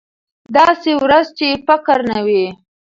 داسې ورځ چې فقر نه وي.